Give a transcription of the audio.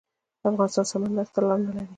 افغانستان سمندر ته لاره نلري